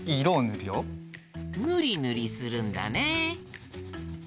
ぬりぬりするんだね。